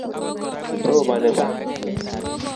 roboni sang